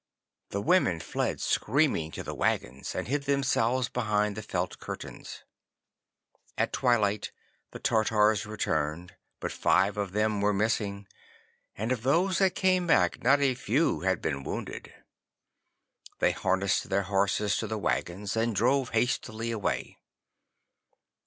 The women fled screaming to the waggons, and hid themselves behind the felt curtains. 'At twilight the Tartars returned, but five of them were missing, and of those that came back not a few had been wounded. They harnessed their horses to the waggons and drove hastily away.